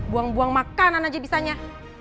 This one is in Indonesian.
buang buang makanan aja bisanya